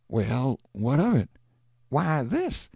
"Well, what of it?" "Why, this.